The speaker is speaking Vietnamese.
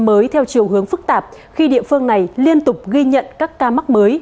mới theo chiều hướng phức tạp khi địa phương này liên tục ghi nhận các ca mắc mới